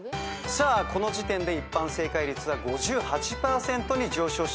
さあこの時点で一般正解率は５８％に上昇しました。